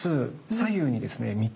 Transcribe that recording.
左右にですね３つ。